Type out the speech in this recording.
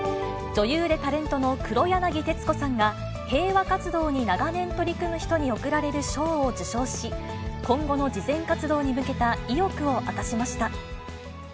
女優でタレントの黒柳徹子さんが、平和活動に長年取り組む人に贈られる賞を受賞し、今後の慈善活動に向けた意欲を明かしました。